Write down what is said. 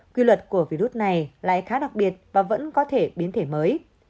quy luật của virus này lại khá đặc biệt và vẫn có thể biến thể mới